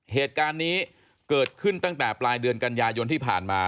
เหตุการณ์นี้เกิดขึ้นตั้งแต่ปลายเดือนกันยายนที่ผ่านมา